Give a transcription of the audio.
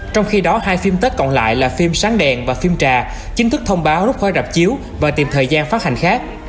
trong khi đó hai phim tết còn lại là phim sáng đèn và phim trà chính thức thông báo rút khói rạp chiếu và tìm thời gian phát hành khác